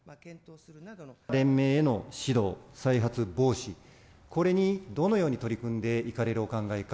連盟への指導、再発防止、これにどのように取り組んでいかれるお考えか。